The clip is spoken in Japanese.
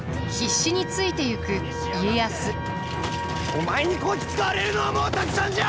お前にこき使われるのはもうたくさんじゃ！